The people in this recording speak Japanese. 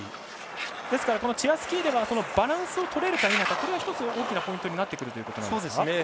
ですから、チェアスキーではバランスを取れるか否かこれが１つ、大きなポイントになってくるということですか。